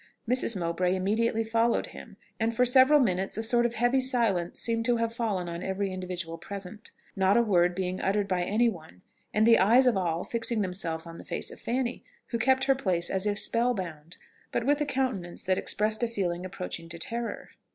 Mrs. Mowbray immediately followed him, and for several minutes a sort of heavy silence seemed to have fallen on every individual present not a word being uttered by any one, and the eyes of all fixing themselves on the face of Fanny, who kept her place as if spell bound, but with a countenance that expressed a feeling approaching to terror.